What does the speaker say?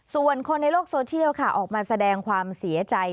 ส่วนคนในโลกโซเชียลค่ะออกมาแสดงความเสียใจ